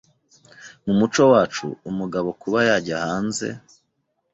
Mu muco wacu umugabo kuba yajya hanze